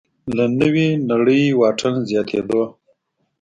له نوې نړۍ واټن زیاتېدو